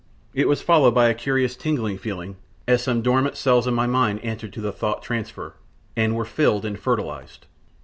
It was followed by a curious tingling feeling, as some dormant cells in my mind answered to the thought transfer, and were filled and fertilised!